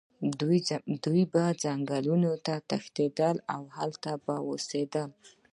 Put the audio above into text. دوی به ځنګلونو ته تښتېدل او هلته به اوسېدل.